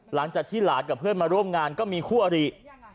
หลังจากที่หลานกับเพื่อนมาร่วมงานก็มีคู่อริ